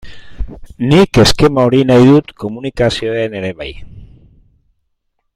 Nik eskema hori nahi dut komunikazioan ere bai.